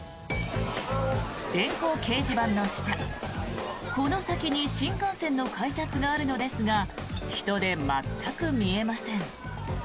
電光掲示板の下、この先に新幹線の改札があるのですが人で全く見えません。